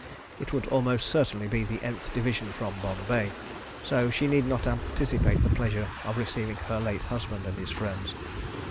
It would almost certainly be the Nth Division from Bombay—so she need not anticipate the pleasure of receiving her late husband and his friends.